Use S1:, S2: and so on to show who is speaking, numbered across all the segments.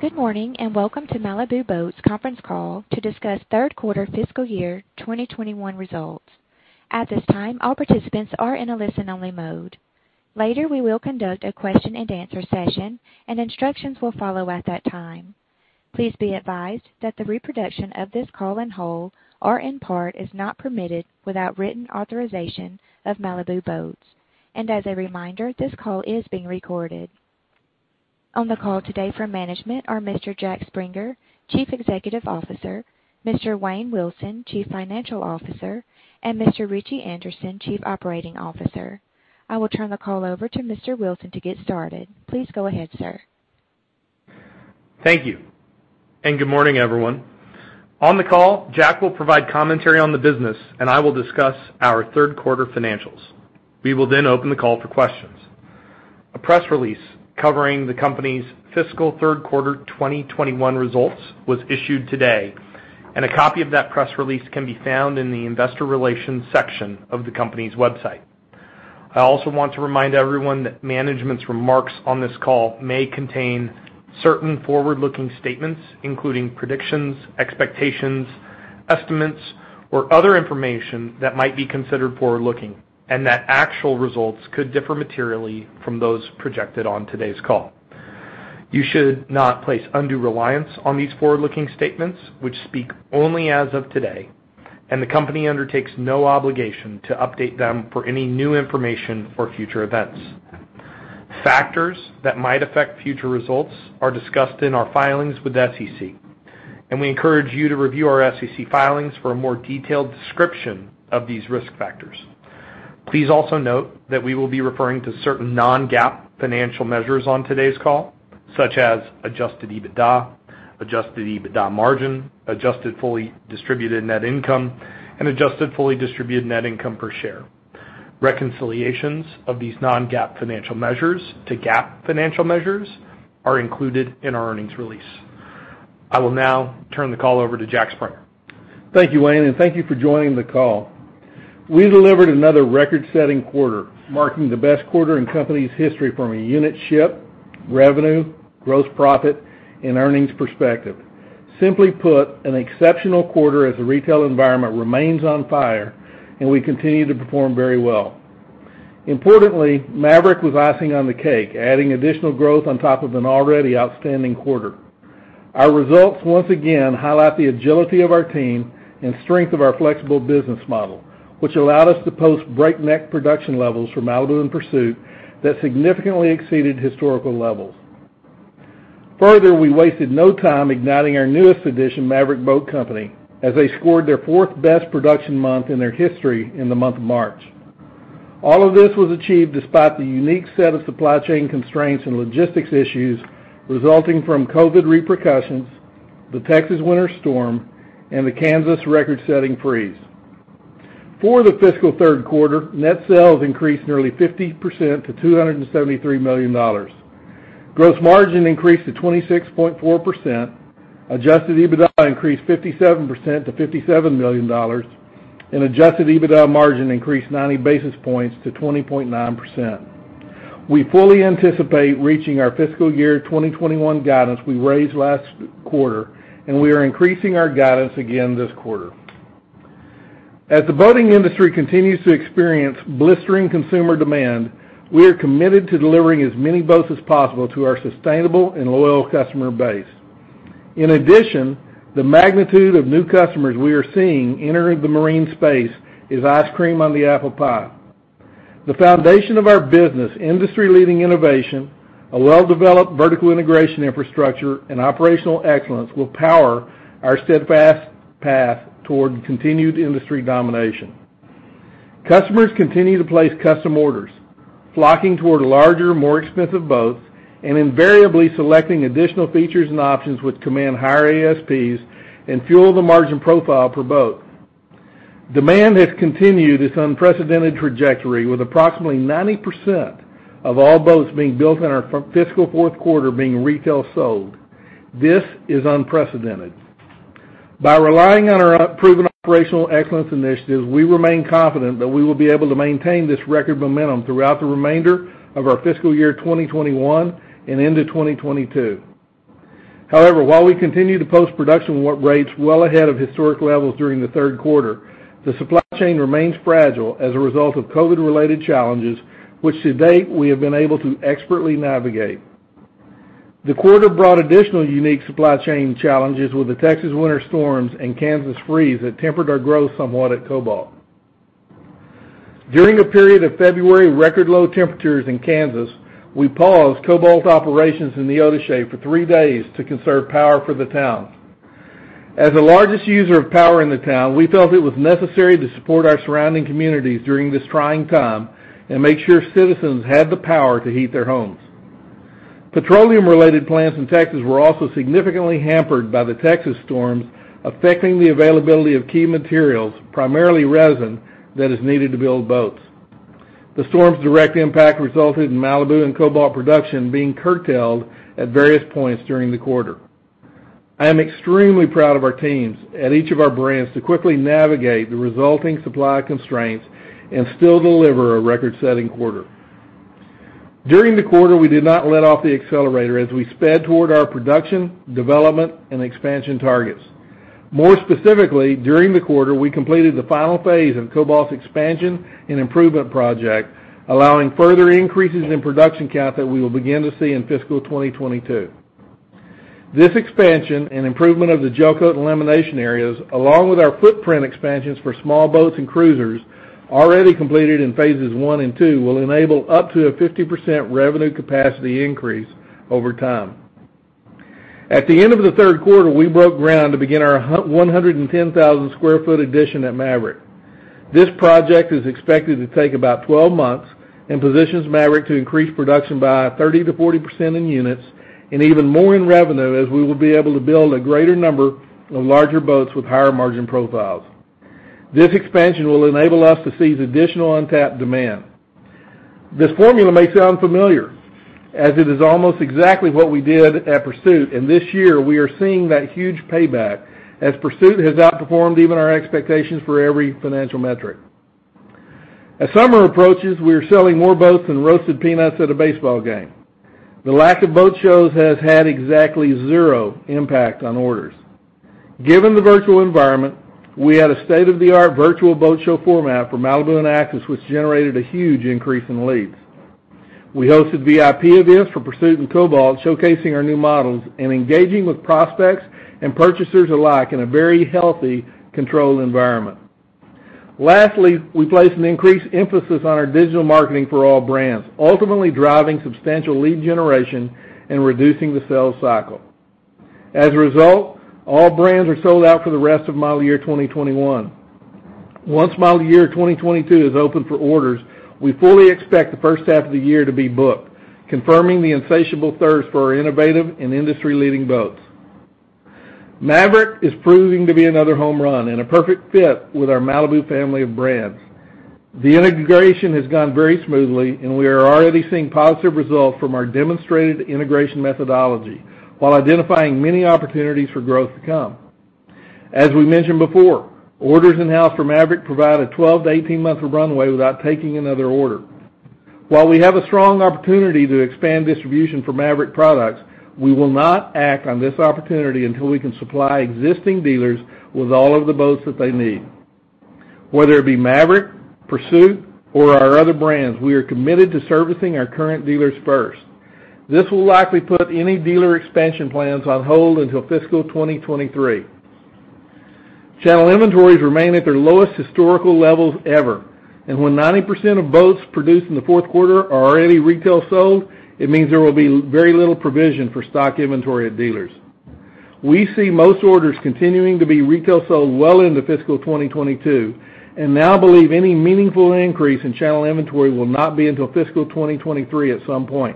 S1: Good morning, welcome to Malibu Boats conference call to discuss third quarter fiscal year 2021 results. At this time, all participants are in a listen-only mode. Later, we will conduct a question and answer session, and instructions will follow at that time. Please be advised that the reproduction of this call in whole or in part is not permitted without written authorization of Malibu Boats. As a reminder, this call is being recorded. On the call today from management are Mr. Jack Springer, Chief Executive Officer, Mr. Wayne Wilson, Chief Financial Officer, and Mr. Ritchie Anderson, Chief Operating Officer. I will turn the call over to Mr. Wilson to get started. Please go ahead, sir.
S2: Thank you. Good morning, everyone. On the call, Jack will provide commentary on the business, and I will discuss our third quarter financials. We will then open the call for questions. A press release covering the company's fiscal third quarter 2021 results was issued today, and a copy of that press release can be found in the investor relations section of the company's website. I also want to remind everyone that management's remarks on this call may contain certain forward-looking statements, including predictions, expectations, estimates, or other information that might be considered forward-looking, and that actual results could differ materially from those projected on today's call. You should not place undue reliance on these forward-looking statements, which speak only as of today, and the company undertakes no obligation to update them for any new information or future events. Factors that might affect future results are discussed in our filings with the SEC, and we encourage you to review our SEC filings for a more detailed description of these risk factors. Please also note that we will be referring to certain non-GAAP financial measures on today's call, such as adjusted EBITDA, adjusted EBITDA margin, adjusted fully distributed net income, and adjusted fully distributed net income per share. Reconciliations of these non-GAAP financial measures to GAAP financial measures are included in our earnings release. I will now turn the call over to Jack Springer.
S3: Thank you, Wayne, and thank you for joining the call. We delivered another record-setting quarter, marking the best quarter in company's history from a unit ship, revenue, gross profit, and earnings perspective. Simply put, an exceptional quarter as the retail environment remains on fire, and we continue to perform very well. Importantly, Maverick was icing on the cake, adding additional growth on top of an already outstanding quarter. Our results once again highlight the agility of our team and strength of our flexible business model, which allowed us to post breakneck production levels for Malibu and Pursuit that significantly exceeded historical levels. Further, we wasted no time igniting our newest edition, Maverick Boat Company, as they scored their fourth-best production month in their history in the month of March. All of this was achieved despite the unique set of supply chain constraints and logistics issues resulting from COVID repercussions, the Texas winter storm, and the Kansas record-setting freeze. For the fiscal third quarter, net sales increased nearly 50% to $273 million. Gross margin increased to 26.4%, adjusted EBITDA increased 57% to $57 million, and adjusted EBITDA margin increased 90 basis points to 20.9%. We fully anticipate reaching our fiscal year 2021 guidance we raised last quarter, and we are increasing our guidance again this quarter. As the boating industry continues to experience blistering consumer demand, we are committed to delivering as many boats as possible to our sustainable and loyal customer base. In addition, the magnitude of new customers we are seeing entering the marine space is ice cream on the apple pie. The foundation of our business, industry-leading innovation, a well-developed vertical integration infrastructure, and operational excellence will power our steadfast path toward continued industry domination. Customers continue to place custom orders, flocking toward larger, more expensive boats, and invariably selecting additional features and options which command higher ASPs and fuel the margin profile per boat. Demand has continued its unprecedented trajectory, with approximately 90% of all boats being built in our fiscal fourth quarter being retail sold. This is unprecedented. By relying on our proven operational excellence initiatives, we remain confident that we will be able to maintain this record momentum throughout the remainder of our fiscal year 2021 and into 2022. While we continue to post production rates well ahead of historic levels during the third quarter, the supply chain remains fragile as a result of COVID-related challenges, which to date we have been able to expertly navigate. The quarter brought additional unique supply chain challenges with the Texas winter storms and Kansas freeze that tempered our growth somewhat at Cobalt. During a period of February record low temperatures in Kansas, we paused Cobalt operations in Neodesha for three days to conserve power for the town. As the largest user of power in the town, we felt it was necessary to support our surrounding communities during this trying time and make sure citizens had the power to heat their homes. Petroleum-related plants in Texas were also significantly hampered by the Texas storms, affecting the availability of key materials, primarily resin, that is needed to build boats. The storm's direct impact resulted in Malibu and Cobalt production being curtailed at various points during the quarter. I am extremely proud of our teams at each of our brands to quickly navigate the resulting supply constraints and still deliver a record-setting quarter. During the quarter, we did not let off the accelerator as we sped toward our production, development, and expansion targets. Specifically, during the quarter, we completed the final phase of Cobalt's expansion and improvement project, allowing further increases in production count that we will begin to see in fiscal 2022. This expansion and improvement of the gel coat lamination areas, along with our footprint expansions for small boats and cruisers already completed in phases one and two, will enable up to a 50% revenue capacity increase over time. At the end of the third quarter, we broke ground to begin our 110,000 sq ft addition at Maverick. This project is expected to take about 12 months and positions Maverick to increase production by 30%-40% in units and even more in revenue, as we will be able to build a greater number of larger boats with higher margin profiles. This expansion will enable us to seize additional untapped demand. This formula may sound familiar, as it is almost exactly what we did at Pursuit, and this year, we are seeing that huge payback as Pursuit has outperformed even our expectations for every financial metric. As summer approaches, we are selling more boats than roasted peanuts at a baseball game. The lack of boat shows has had exactly zero impact on orders. Given the virtual environment, we had a state-of-the-art virtual boat show format for Malibu and Axis, which generated a huge increase in leads. We hosted VIP events for Pursuit and Cobalt, showcasing our new models and engaging with prospects and purchasers alike in a very healthy, controlled environment. We placed an increased emphasis on our digital marketing for all brands, ultimately driving substantial lead generation and reducing the sales cycle. As a result, all brands are sold out for the rest of model year 2021. Once model year 2022 is open for orders, we fully expect the first half of the year to be booked, confirming the insatiable thirst for our innovative and industry-leading boats. Maverick is proving to be another home run and a perfect fit with our Malibu family of brands. The integration has gone very smoothly, and we are already seeing positive results from our demonstrated integration methodology, while identifying many opportunities for growth to come. As we mentioned before, orders in-house for Maverick provide a 12 to 18-month runway without taking another order. While we have a strong opportunity to expand distribution for Maverick products, we will not act on this opportunity until we can supply existing dealers with all of the boats that they need. Whether it be Maverick, Pursuit, or our other brands, we are committed to servicing our current dealers first. This will likely put any dealer expansion plans on hold until fiscal 2023. Channel inventories remain at their lowest historical levels ever, and when 90% of boats produced in the fourth quarter are already retail sold, it means there will be very little provision for stock inventory at dealers. We see most orders continuing to be retail sold well into fiscal 2022, and now believe any meaningful increase in channel inventory will not be until fiscal 2023 at some point.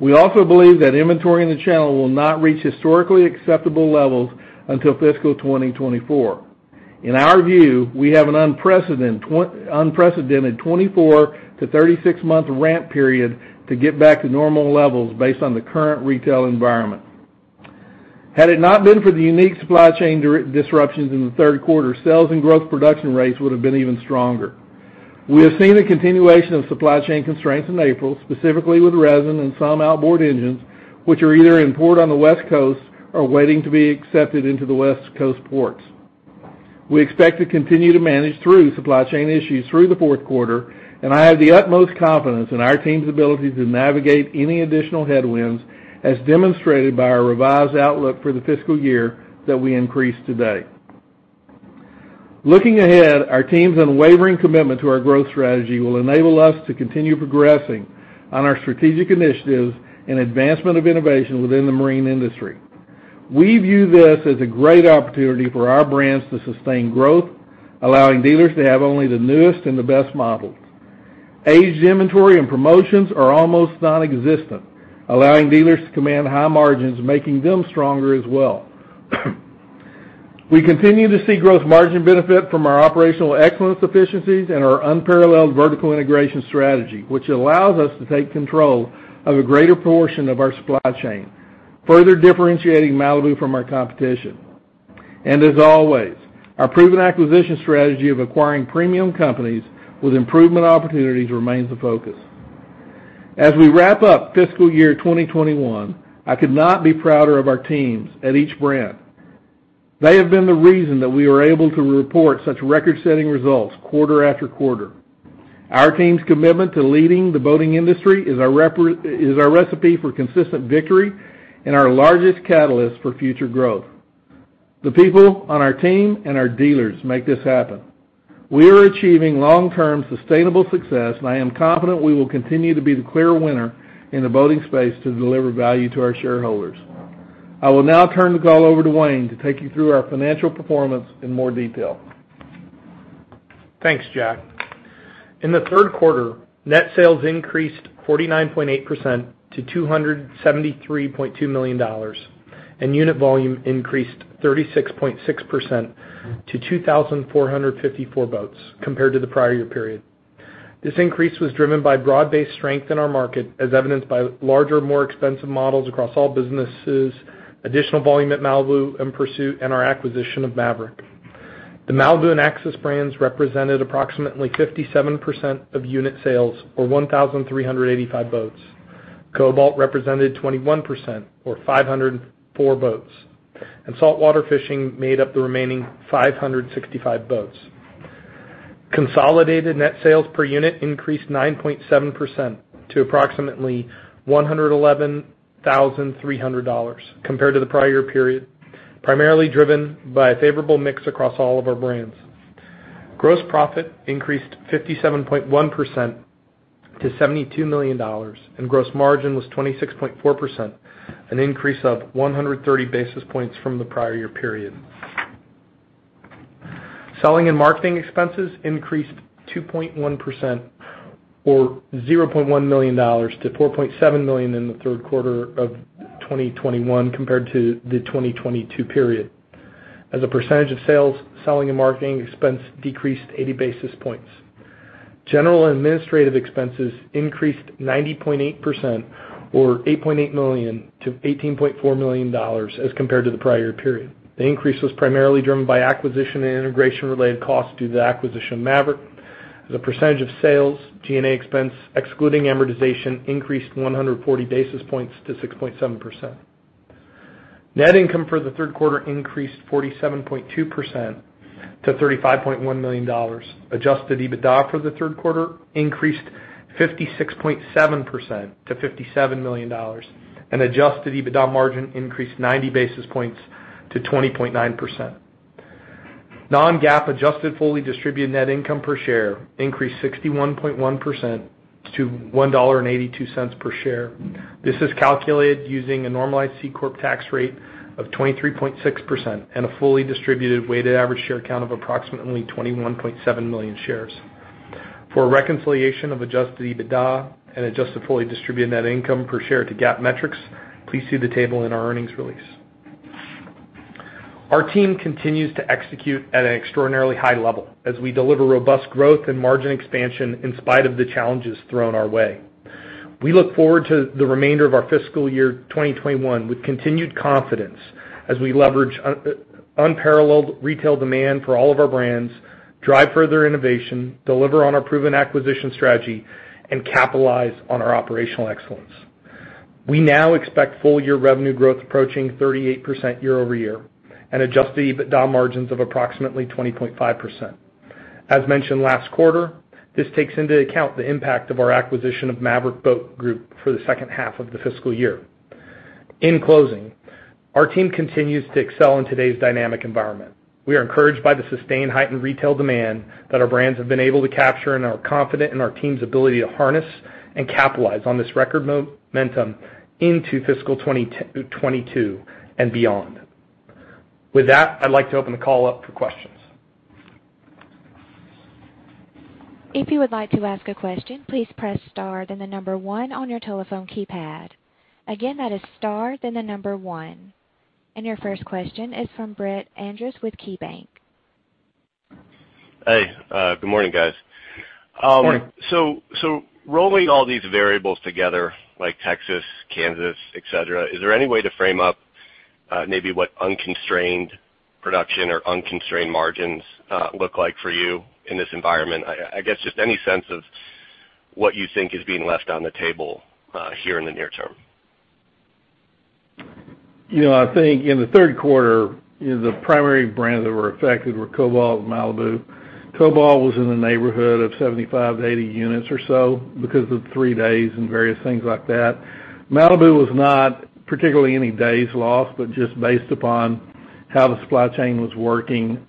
S3: We also believe that inventory in the channel will not reach historically acceptable levels until fiscal 2024. In our view, we have an unprecedented 24 to 36-month ramp period to get back to normal levels based on the current retail environment. Had it not been for the unique supply chain disruptions in the third quarter, sales and growth production rates would've been even stronger. We have seen a continuation of supply chain constraints in April, specifically with resin and some outboard engines, which are either in port on the West Coast or waiting to be accepted into the West Coast ports. We expect to continue to manage through supply chain issues through the fourth quarter, and I have the utmost confidence in our team's ability to navigate any additional headwinds as demonstrated by our revised outlook for the fiscal year that we increased today. Looking ahead, our team's unwavering commitment to our growth strategy will enable us to continue progressing on our strategic initiatives and advancement of innovation within the marine industry. We view this as a great opportunity for our brands to sustain growth, allowing dealers to have only the newest and the best models. Aged inventory and promotions are almost nonexistent, allowing dealers to command high margins, making them stronger as well. We continue to see growth margin benefit from our operational excellence efficiencies and our unparalleled vertical integration strategy, which allows us to take control of a greater portion of our supply chain, further differentiating Malibu from our competition. As always, our proven acquisition strategy of acquiring premium companies with improvement opportunities remains a focus. As we wrap up fiscal year 2021, I could not be prouder of our teams at each brand. They have been the reason that we are able to report such record-setting results quarter after quarter. Our team's commitment to leading the boating industry is our recipe for consistent victory and our largest catalyst for future growth. The people on our team and our dealers make this happen. We are achieving long-term sustainable success, and I am confident we will continue to be the clear winner in the boating space to deliver value to our shareholders. I will now turn the call over to Wayne to take you through our financial performance in more detail.
S2: Thanks, Jack. In the third quarter, net sales increased 49.8% to $273.2 million, and unit volume increased 36.6% to 2,454 boats compared to the prior year period. This increase was driven by broad-based strength in our market, as evidenced by larger, more expensive models across all businesses, additional volume at Malibu and Pursuit, and our acquisition of Maverick. The Malibu and Axis brands represented approximately 57% of unit sales or 1,385 boats. Cobalt represented 21% or 504 boats. Saltwater Fishing made up the remaining 565 boats. Consolidated net sales per unit increased 9.7% to approximately $111,300 compared to the prior period, primarily driven by a favorable mix across all of our brands. Gross profit increased 57.1% to $72 million, and gross margin was 26.4%, an increase of 130 basis points from the prior year period. Selling and marketing expenses increased 2.1% or $0.1 million to $4.7 million in the third quarter of 2021 compared to the 2020 period. As a percentage of sales, selling and marketing expense decreased 80 basis points. General and administrative expenses increased 90.8%, or $8.8 million to $18.4 million as compared to the prior period. The increase was primarily driven by acquisition and integration-related costs due to the acquisition of Maverick. As a percentage of sales, G&A expense excluding amortization increased 140 basis points to 6.7%. Net income for the third quarter increased 47.2% to $35.1 million. Adjusted EBITDA for the third quarter increased 56.7% to $57 million, and adjusted EBITDA Margin increased 90 basis points to 20.9%. non-GAAP adjusted fully distributed net income per share increased 61.1% to $1.82 per share. This is calculated using a normalized C-Corp tax rate of 23.6% and a fully distributed weighted average share count of approximately 21.7 million shares. For a reconciliation of adjusted EBITDA and adjusted fully distributed net income per share to GAAP metrics, please see the table in our earnings release. Our team continues to execute at an extraordinarily high level as we deliver robust growth and margin expansion in spite of the challenges thrown our way. We look forward to the remainder of our fiscal year 2021 with continued confidence as we leverage unparalleled retail demand for all of our brands, drive further innovation, deliver on our proven acquisition strategy, and capitalize on our operational excellence. We now expect full-year revenue growth approaching 38% year-over-year, and adjusted EBITDA margins of approximately 20.5%. As mentioned last quarter, this takes into account the impact of our acquisition of Maverick Boat Group for the second half of the fiscal year. In closing, our team continues to excel in today's dynamic environment. We are encouraged by the sustained heightened retail demand that our brands have been able to capture, and are confident in our team's ability to harness and capitalize on this record momentum into fiscal 2022 and beyond. With that, I'd like to open the call up for questions.
S1: If you would like to ask a question, please press star, then the number one on your telephone keypad. Again, that is star, then the number one. Your first question is from Brett Andress with KeyBanc.
S4: Hey. Good morning, guys.
S3: Good morning.
S4: Rolling all these variables together, like Texas, Kansas, et cetera, is there any way to frame up maybe what unconstrained production or unconstrained margins look like for you in this environment? I guess just any sense of what you think is being left on the table here in the near term.
S3: I think in the third quarter, the primary brands that were affected were Cobalt and Malibu. Cobalt was in the neighborhood of 75-80 units or so because of the three days and various things like that. Malibu was not particularly any days lost, but just based upon how the supply chain was working.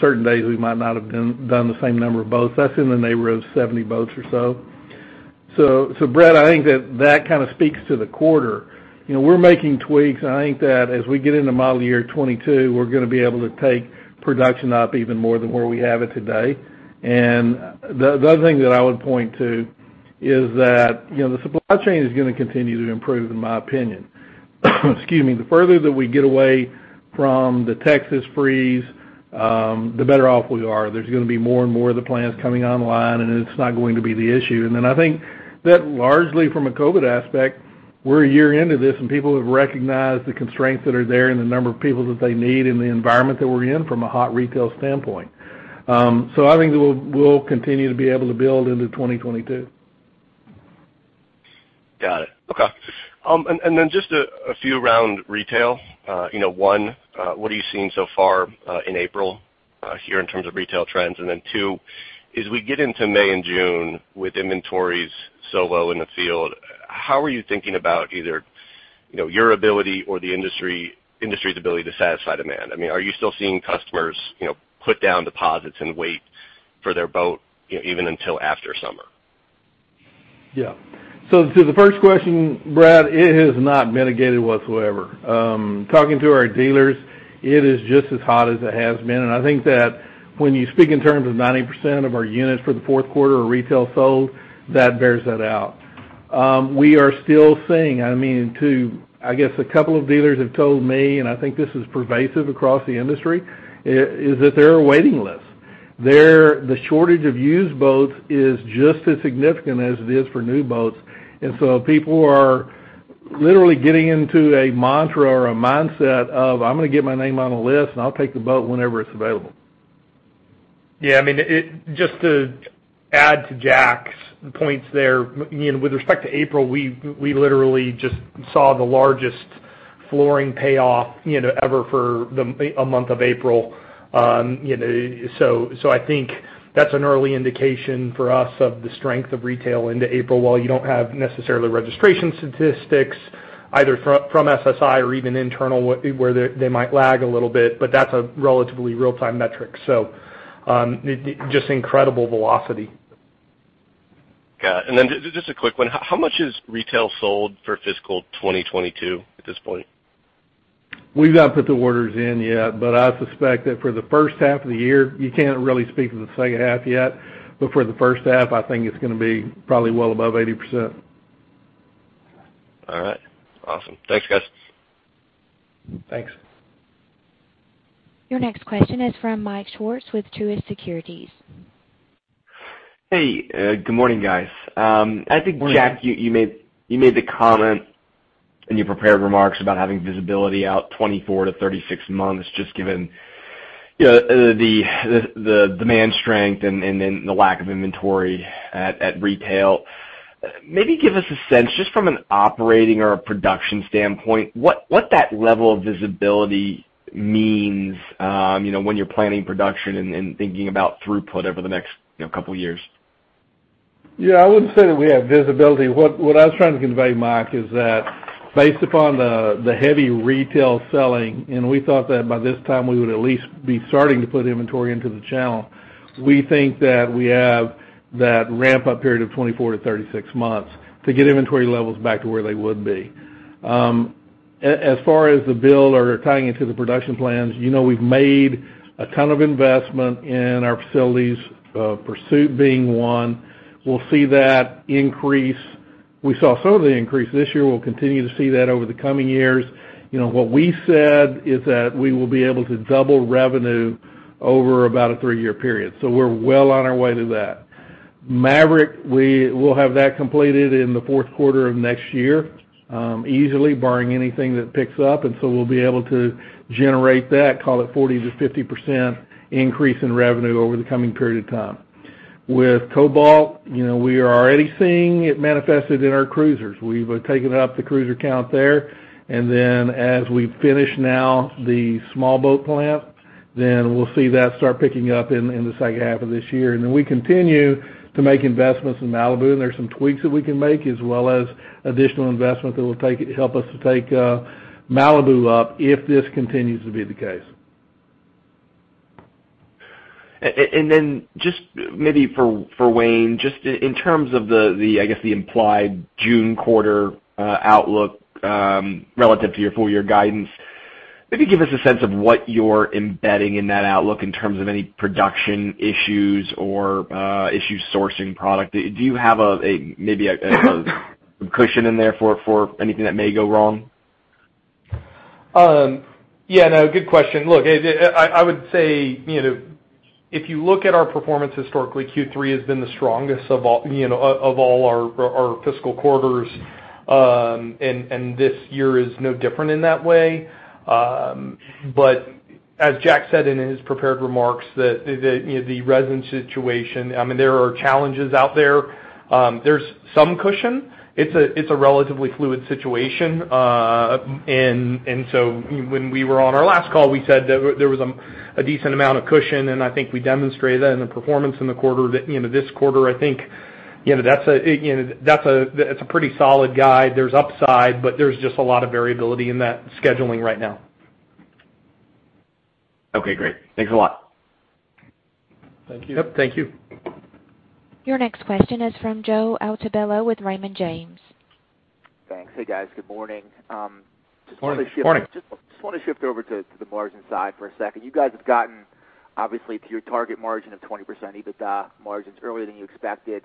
S3: Certain days we might not have done the same number of boats. That's in the neighborhood of 70 boats or so. Brett, I think that that kind of speaks to the quarter. We're making tweaks, and I think that as we get into model year 2022, we're going to be able to take production up even more than where we have it today. The other thing that I would point to is that the supply chain is going to continue to improve, in my opinion. Excuse me. The further that we get away from the Texas freeze, the better off we are. There's going to be more and more of the plants coming online, it's not going to be the issue. I think that largely from a COVID aspect, we're a year into this, and people have recognized the constraints that are there and the number of people that they need and the environment that we're in from a hot retail standpoint. I think we'll continue to be able to build into 2022.
S4: Got it. Okay. Just a few around retail. One, what are you seeing so far in April here in terms of retail trends? Two, as we get into May and June with inventories so low in the field, how are you thinking about either your ability or the industry's ability to satisfy demand? Are you still seeing customers put down deposits and wait for their boat even until after summer?
S3: To the first question, Brett, it has not mitigated whatsoever. Talking to our dealers, it is just as hot as it has been, and I think that when you speak in terms of 90% of our units for the fourth quarter are retail sold, that bears that out. We are still seeing, I guess a couple of dealers have told me, and I think this is pervasive across the industry, is that there are waiting lists. The shortage of used boats is just as significant as it is for new boats. People are literally getting into a mantra or a mindset of, I'm going to get my name on a list, and I'll take the boat whenever it's available.
S2: Yeah. Just to add to Jack's points there, with respect to April, we literally just saw the largest flooring payoff ever for a month of April. I think that's an early indication for us of the strength of retail into April. While you don't have necessarily registration statistics either from SSI or even internal, where they might lag a little bit, but that's a relatively real-time metric. Just incredible velocity.
S4: Got it. Just a quick one. How much is retail sold for fiscal 2022 at this point?
S2: We've not put the orders in yet. I suspect that for the first half of the year, you can't really speak to the second half yet, but for the first half, I think it's going to be probably well above 80%.
S4: All right. Awesome. Thanks, guys.
S2: Thanks.
S1: Your next question is from Mike Swartz with Truist Securities.
S5: Hey, good morning, guys.
S3: Good morning.
S5: I think, Jack, you made the comment in your prepared remarks about having visibility out 24-36 months, just given the demand strength and then the lack of inventory at retail. Maybe give us a sense, just from an operating or a production standpoint, what that level of visibility means when you're planning production and thinking about throughput over the next couple of years.
S3: Yeah, I wouldn't say that we have visibility. What I was trying to convey, Mike, is that based upon the heavy retail selling, and we thought that by this time we would at least be starting to put inventory into the channel. We think that we have that ramp-up period of 24-36 months to get inventory levels back to where they would be. As far as the build or tying into the production plans, we've made a ton of investment in our facilities, Pursuit being one. We saw some of the increase this year. We'll continue to see that over the coming years. What we said is that we will be able to double revenue over about a three-year period. We're well on our way to that. Maverick, we will have that completed in the fourth quarter of next year, easily, barring anything that picks up, we'll be able to generate that, call it 40%-50% increase in revenue over the coming period of time. With Cobalt, we are already seeing it manifested in our Cruisers. We've taken up the Cruiser count there, as we finish now the small boat plant, we'll see that start picking up in the second half of this year. We continue to make investments in Malibu, and there's some tweaks that we can make, as well as additional investment that will help us to take Malibu up if this continues to be the case.
S5: Just maybe for Wayne, just in terms of, I guess, the implied June quarter outlook, relative to your full-year guidance, maybe give us a sense of what you're embedding in that outlook in terms of any production issues or issue sourcing product. Do you have maybe a cushion in there for anything that may go wrong?
S2: Yeah, no, good question. Look, I would say, if you look at our performance historically, Q3 has been the strongest of all our fiscal quarters, and this year is no different in that way. As Jack said in his prepared remarks that the resin situation, there are challenges out there. There's some cushion. It's a relatively fluid situation. When we were on our last call, we said there was a decent amount of cushion, and I think we demonstrated that in the performance in this quarter. I think that's a pretty solid guide. There's upside, but there's just a lot of variability in that scheduling right now.
S5: Okay, great. Thanks a lot.
S3: Thank you.
S2: Yep, thank you.
S1: Your next question is from Joe Altobello with Raymond James.
S6: Thanks. Hey, guys. Good morning.
S3: Morning.
S2: Morning.
S6: Just want to shift over to the margin side for a second. You guys have gotten, obviously, to your target margin of 20% EBITDA margins earlier than you expected,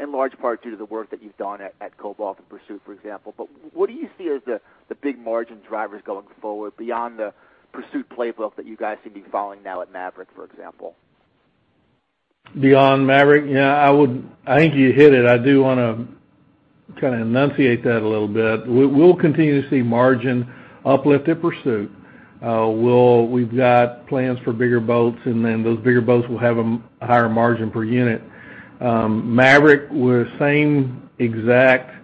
S6: in large part due to the work that you've done at Cobalt and Pursuit, for example. What do you see as the big margin drivers going forward beyond the Pursuit playbook that you guys seem to be following now at Maverick, for example?
S3: Beyond Maverick? Yeah, I think you hit it. I do want to kind of enunciate that a little bit. We'll continue to see margin uplift at Pursuit. We've got plans for bigger boats, and then those bigger boats will have a higher margin per unit. Maverick, we're same exact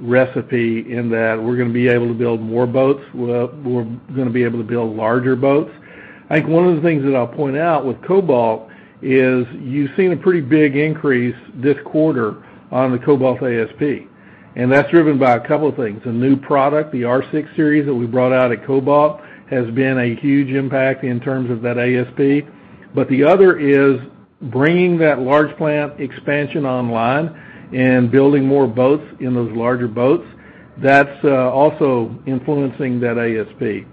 S3: recipe in that we're going to be able to build more boats. We're going to be able to build larger boats. I think one of the things that I'll point out with Cobalt is you've seen a pretty big increase this quarter on the Cobalt ASP, and that's driven by a couple of things. A new product, the R6 series that we brought out at Cobalt, has been a huge impact in terms of that ASP. The other is bringing that large plant expansion online and building more boats in those larger boats. That's also influencing that ASP.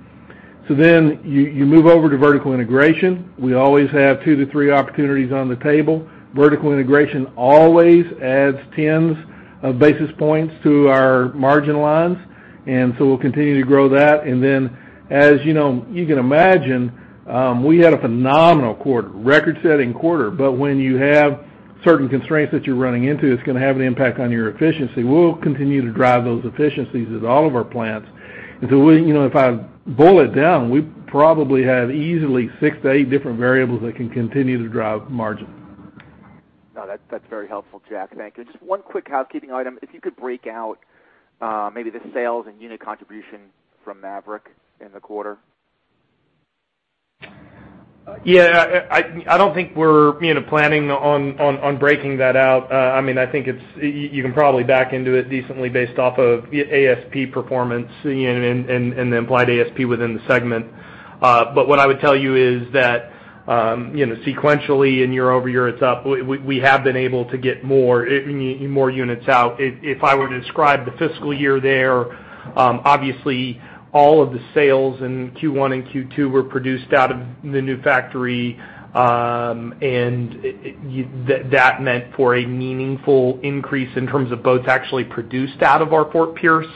S3: You move over to vertical integration. We always have 2 to 3 opportunities on the table. Vertical integration always adds tens of basis points to our margin lines, we'll continue to grow that. As you can imagine, we had a phenomenal quarter, record-setting quarter. But when you have certain constraints that you're running into, it's going to have an impact on your efficiency. We'll continue to drive those efficiencies at all of our plants. If I boil it down, we probably have easily 6 to 8 different variables that can continue to drive margin.
S6: No, that's very helpful, Jack. Thank you. Just one quick housekeeping item. If you could break out maybe the sales and unit contribution from Maverick in the quarter.
S2: Yeah. I don't think we're planning on breaking that out. I think you can probably back into it decently based off of ASP performance and the implied ASP within the segment. What I would tell you is that sequentially and year-over-year, it's up. We have been able to get more units out. If I were to describe the fiscal year there, obviously all of the sales in Q1 and Q2 were produced out of the new factory, and that meant for a meaningful increase in terms of boats actually produced out of our Fort Pierce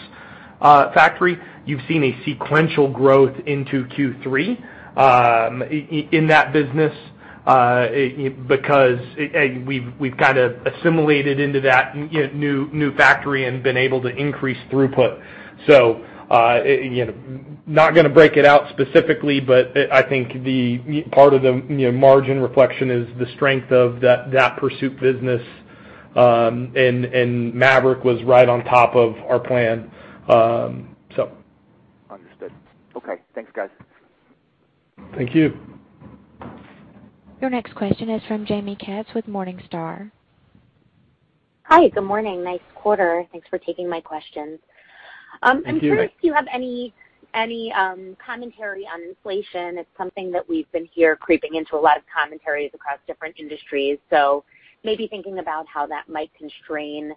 S2: factory. You've seen a sequential growth into Q3 in that business, because we've kind of assimilated into that new factory and been able to increase throughput. Not going to break it out specifically, but I think part of the margin reflection is the strength of that Pursuit business, and Maverick was right on top of our plan.
S6: Understood. Okay. Thanks, guys.
S3: Thank you.
S1: Your next question is from Jaime Katz with Morningstar.
S7: Hi. Good morning. Nice quarter. Thanks for taking my questions.
S3: Thank you.
S7: I'm curious if you have any commentary on inflation. It's something that we've been heard creeping into a lot of commentaries across different industries, so maybe thinking about how that might constrain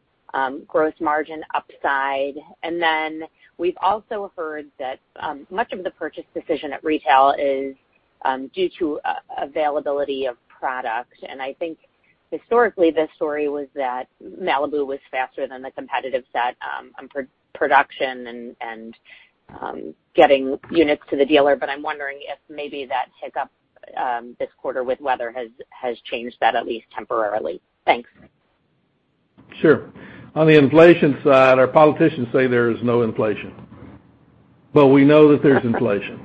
S7: gross margin upside. Then we've also heard that much of the purchase decision at retail is due to availability of product, and I think historically, the story was that Malibu was faster than the competitive set on production and getting units to the dealer. I'm wondering if maybe that hiccup this quarter with weather has changed that, at least temporarily. Thanks.
S3: Sure. On the inflation side, our politicians say there is no inflation, but we know that there's inflation.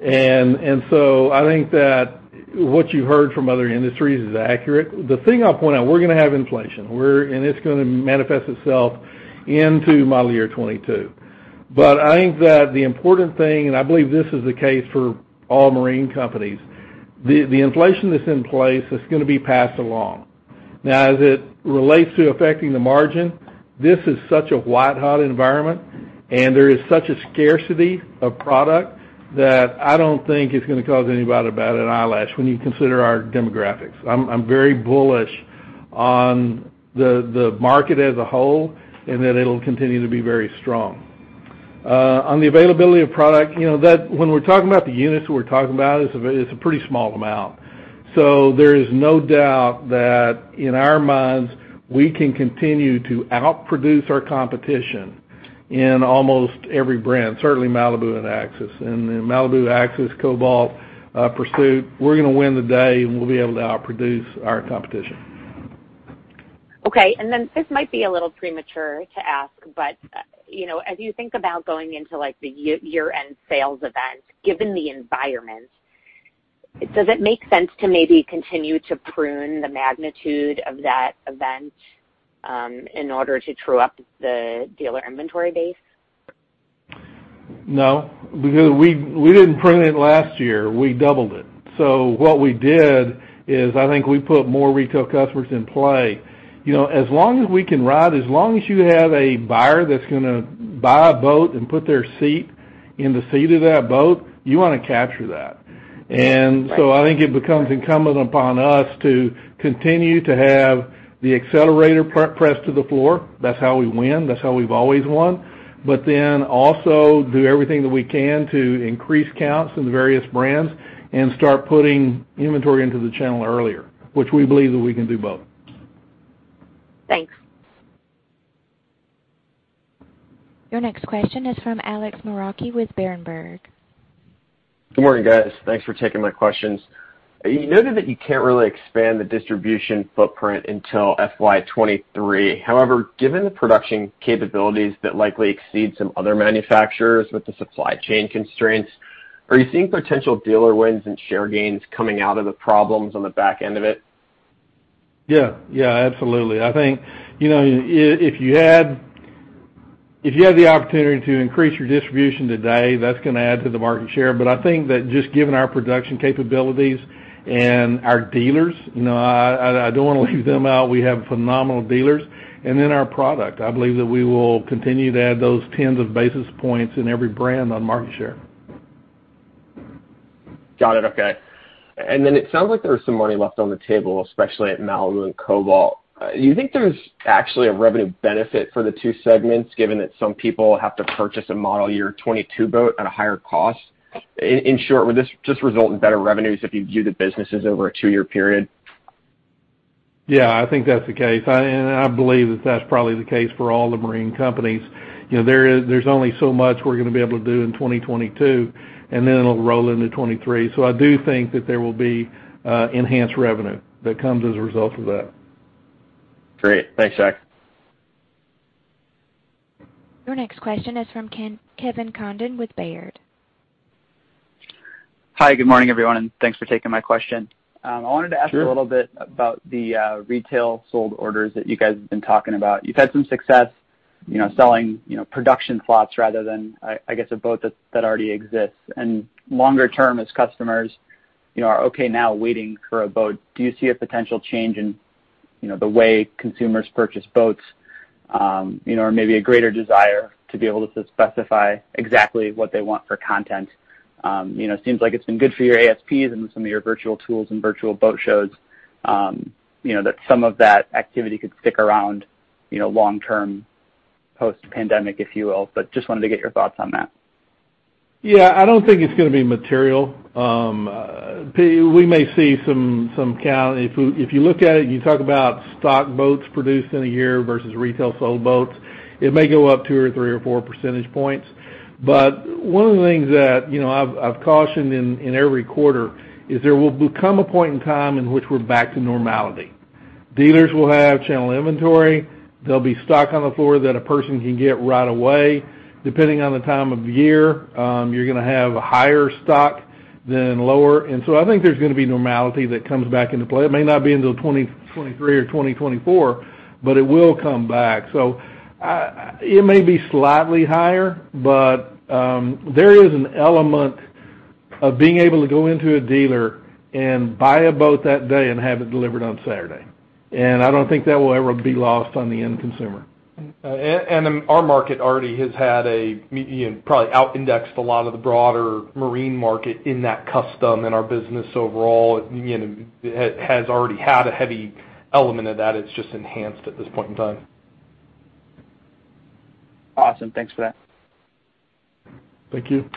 S3: I think that what you heard from other industries is accurate. The thing I'll point out, we're going to have inflation, and it's going to manifest itself into model year 2022. I think that the important thing, and I believe this is the case for all marine companies, the inflation that's in place is going to be passed along. As it relates to affecting the margin, this is such a white-hot environment, and there is such a scarcity of product that I don't think it's going to cause anybody to bat an eyelash when you consider our demographics. I'm very bullish on the market as a whole, and that it'll continue to be very strong. On the availability of product, when we're talking about the units, it's a pretty small amount. There is no doubt that in our minds, we can continue to outproduce our competition in almost every brand, certainly Malibu and Axis. Malibu, Axis, Cobalt, Pursuit, we're going to win the day, and we'll be able to outproduce our competition.
S7: Okay, this might be a little premature to ask, but as you think about going into the year-end sales event, given the environment, does it make sense to maybe continue to prune the magnitude of that event in order to true up the dealer inventory base?
S3: No, because we didn't prune it last year. We doubled it. What we did is, I think we put more retail customers in play. As long as we can ride, as long as you have a buyer that's going to buy a boat and put their seat in the seat of that boat, you want to capture that.
S7: Right.
S3: I think it becomes incumbent upon us to continue to have the accelerator pressed to the floor. That's how we win. That's how we've always won. Also do everything that we can to increase counts in the various brands and start putting inventory into the channel earlier, which we believe that we can do both.
S7: Thanks.
S1: Your next question is from Alex Maroccia with Berenberg.
S8: Good morning, guys. Thanks for taking my questions. You noted that you can't really expand the distribution footprint until FY 2023. Given the production capabilities that likely exceed some other manufacturers with the supply chain constraints, are you seeing potential dealer wins and share gains coming out of the problems on the back end of it?
S3: Yeah, absolutely. I think if you had the opportunity to increase your distribution today, that's going to add to the market share. I think that just given our production capabilities and our dealers, I don't want to leave them out. We have phenomenal dealers. Our product, I believe that we will continue to add those tens of basis points in every brand on market share.
S8: Got it. Okay. Then it sounds like there was some money left on the table, especially at Malibu and Cobalt. Do you think there's actually a revenue benefit for the two segments, given that some people have to purchase a model year '22 boat at a higher cost? In short, would this just result in better revenues if you view the businesses over a two-year period?
S3: Yeah, I think that's the case. I believe that that's probably the case for all the marine companies. There's only so much we're going to be able to do in 2022, and then it'll roll into 2023. I do think that there will be enhanced revenue that comes as a result of that.
S8: Great. Thanks, Jack.
S1: Your next question is from Kevin Condon with Baird.
S9: Hi, good morning, everyone, and thanks for taking my question.
S3: Sure.
S9: I wanted to ask a little bit about the retail sold orders that you guys have been talking about. You've had some success selling production slots rather than, I guess, a boat that already exists. Longer term, as customers are okay now waiting for a boat, do you see a potential change in the way consumers purchase boats? Maybe a greater desire to be able to specify exactly what they want for content? It seems like it's been good for your ASPs and some of your virtual tools and virtual boat shows, that some of that activity could stick around long-term post-pandemic, if you will. Just wanted to get your thoughts on that.
S3: Yeah, I don't think it's going to be material. If you look at it, you talk about stock boats produced in a year versus retail sold boats, it may go up two or three or four percentage points. One of the things that I've cautioned in every quarter is there will become a point in time in which we're back to normality. Dealers will have channel inventory. There'll be stock on the floor that a person can get right away. Depending on the time of year, you're going to have a higher stock than lower. I think there's going to be normality that comes back into play. It may not be until 2023 or 2024, but it will come back. It may be slightly higher, but there is an element of being able to go into a dealer and buy a boat that day and have it delivered on Saturday. I don't think that will ever be lost on the end consumer.
S2: Our market already probably out-indexed a lot of the broader marine market in that custom, and our business overall has already had a heavy element of that. It's just enhanced at this point in time.
S9: Awesome. Thanks for that.
S3: Thank you.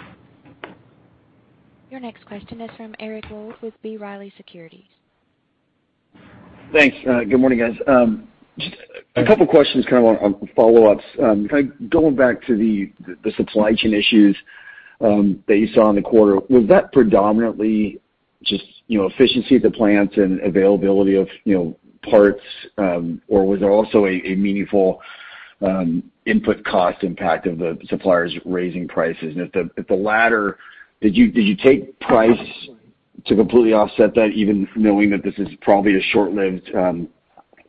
S1: Your next question is from Eric Wold with B. Riley Securities.
S10: Thanks. Good morning, guys. Just a couple of questions, kind of on follow-ups. Going back to the supply chain issues that you saw in the quarter, was that predominantly just efficiency at the plants and availability of parts? Or was there also a meaningful input cost impact of the suppliers raising prices? If the latter, did you take price to completely offset that, even knowing that this is probably a short-lived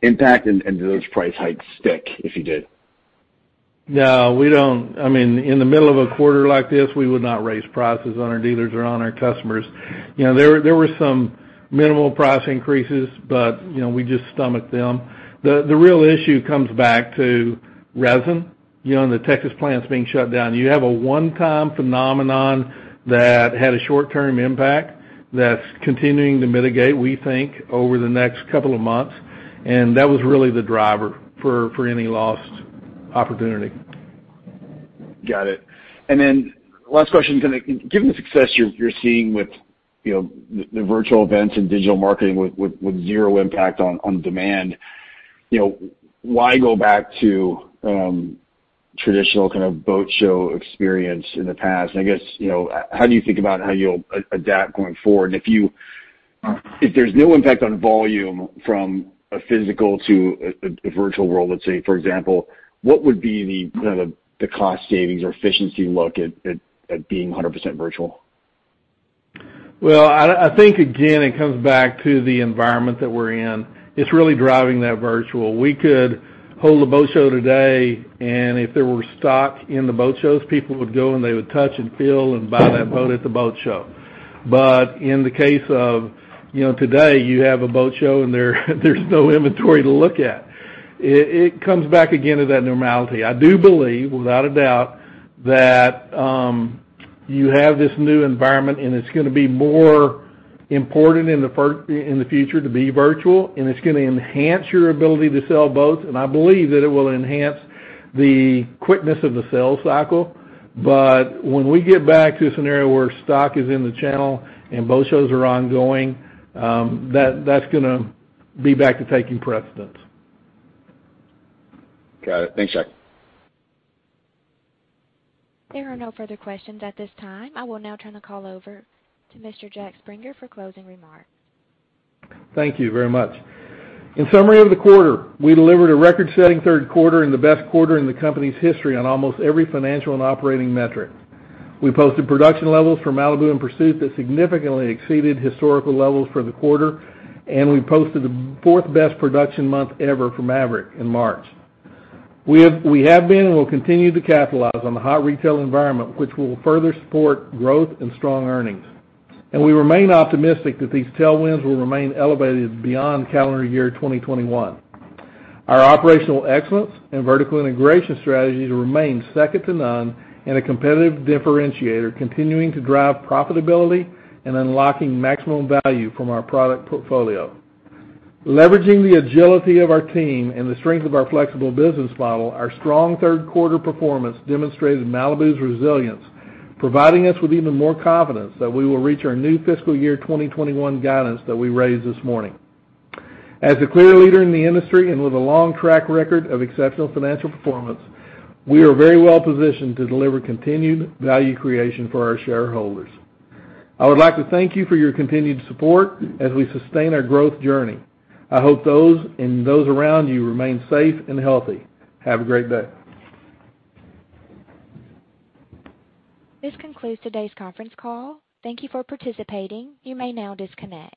S10: impact, and do those price hikes stick if you did?
S3: No, in the middle of a quarter like this, we would not raise prices on our dealers or on our customers. There were some minimal price increases, but we just stomached them. The real issue comes back to resin and the Texas plants being shut down. You have a one-time phenomenon that had a short-term impact that's continuing to mitigate, we think, over the next couple of months, and that was really the driver for any lost opportunity.
S10: Got it. Then last question, given the success you're seeing with the virtual events and digital marketing with zero impact on demand, why go back to traditional kind of boat show experience in the past? I guess, how do you think about how you'll adapt going forward? If there's no impact on volume from a physical to a virtual world, let's say, for example, what would be the cost savings or efficiency look at being 100% virtual?
S3: I think, again, it comes back to the environment that we're in. It's really driving that virtual. We could hold a boat show today, and if there were stock in the boat shows, people would go and they would touch and feel and buy that boat at the boat show. In the case of today, you have a boat show and there's no inventory to look at. It comes back again to that normality. I do believe, without a doubt, that you have this new environment and it's going to be more important in the future to be virtual, and it's going to enhance your ability to sell boats. I believe that it will enhance the quickness of the sales cycle. When we get back to a scenario where stock is in the channel and boat shows are ongoing, that's going to be back to taking precedence.
S10: Got it. Thanks, Jack.
S1: There are no further questions at this time. I will now turn the call over to Mr. Jack Springer for closing remarks.
S3: Thank you very much. In summary of the quarter, we delivered a record-setting third quarter and the best quarter in the company's history on almost every financial and operating metric. We posted production levels for Malibu and Pursuit that significantly exceeded historical levels for the quarter. We posted the fourth-best production month ever for Maverick in March. We have been and will continue to capitalize on the hot retail environment, which will further support growth and strong earnings. We remain optimistic that these tailwinds will remain elevated beyond calendar year 2021. Our operational excellence and vertical integration strategies remain second to none and a competitive differentiator, continuing to drive profitability and unlocking maximum value from our product portfolio. Leveraging the agility of our team and the strength of our flexible business model, our strong third quarter performance demonstrated Malibu's resilience, providing us with even more confidence that we will reach our new fiscal year 2021 guidance that we raised this morning. As a clear leader in the industry and with a long track record of exceptional financial performance, we are very well positioned to deliver continued value creation for our shareholders. I would like to thank you for your continued support as we sustain our growth journey. I hope those and those around you remain safe and healthy. Have a great day.
S1: This concludes today's conference call. Thank you for participating. You may now disconnect.